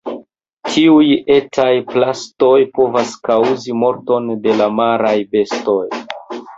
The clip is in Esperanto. Tiuj etaj plastoj povas kaŭzi morton de la maraj bestoj.